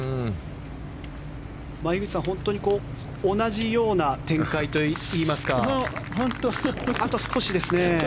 樋口さん同じような展開といいますかあと少しですね。